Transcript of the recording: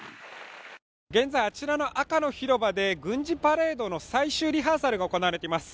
現在、あちらの赤の広場で軍事パレードの最終リハーサルが行われています。